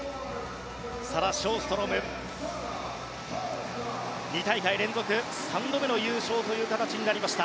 サラ・ショーストロムが２大会連続３度目の優勝という形になりました。